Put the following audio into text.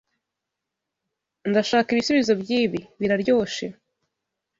Ndashaka ibisubizo byibi. Biraryoshe.